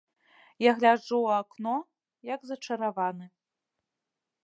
Я гляджу ў акно, як зачараваны.